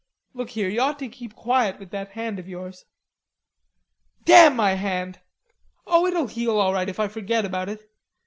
"Look here, you ought to keep quiet with that hand of yours." "Damn my hand. Oh, it'll heal all right if I forget about it.